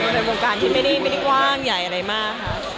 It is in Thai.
เป็นวงการที่ไม่ได้กว้างใหญ่อะไรมากค่ะ